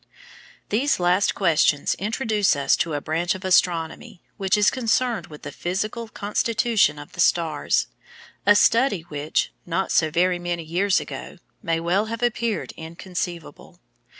These last questions introduce us to a branch of astronomy which is concerned with the physical constitution of the stars, a study which, not so very many years ago, may well have appeared inconceivable.